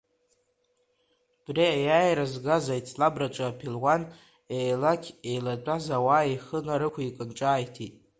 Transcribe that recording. Абри аиааира згаз аицлабраҿы аԥелуан, еилақь еилатәаз ауаа ихы нарықәикын ҿааиҭит…